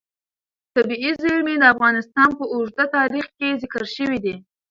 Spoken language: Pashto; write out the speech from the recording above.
طبیعي زیرمې د افغانستان په اوږده تاریخ کې ذکر شوی دی.